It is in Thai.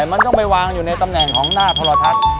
มันต้องไปวางอยู่ในตำแหน่งของหน้าโทรทัศน์